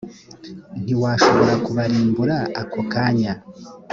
ntiwashobora kubarimbura ako kanya,